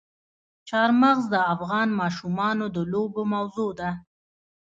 چار مغز د افغان ماشومانو د لوبو موضوع ده.